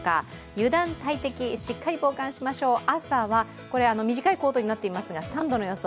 油断大敵、しっかり防寒しましょう朝は短いコートになっていますが３度の予想。